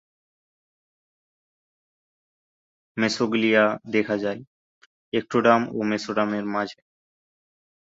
চীনা ভাষা শিখে নেন এবং সাম্রাজ্যবাদ বিরোধী যুদ্ধে জড়িয়ে পড়েন।